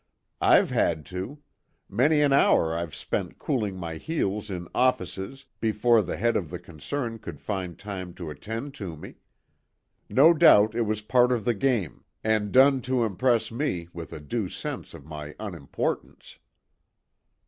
"I've had to. Many an hour I've spent cooling my heels in offices before the head of the concern could find time to attend to me. No doubt it was part of the game, and done to impress me with a due sense of my unimportance."